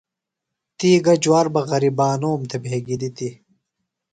تی گہ جُوار بہ غریبانوم تھےۡ بھگیۡ دِتیۡ؟